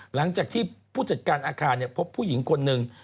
หลังจากที่ผู้จัดการอาคารพบผู้หญิงคนหนึ่ง